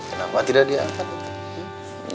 kenapa tidak diangkat